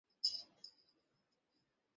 আমাকে জানাতে থাকো।